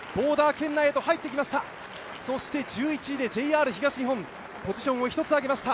１１位でＪＲ東日本、ポジションを１つ上げました。